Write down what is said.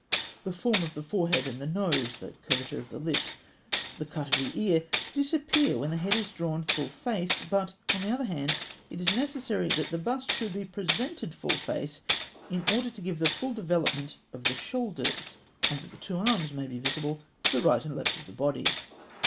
The form of the forehead and the nose, the curvature of the lips, the cut of the ear, disappear when the head is drawn full face; but, on the other hand, it is necessary that the bust should be presented full face, in order to give the full development of the shoulders, and that the two arms may be visible to right and left of the body.